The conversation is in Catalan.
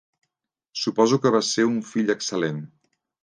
Suposo que vas ser un fill excel·lent.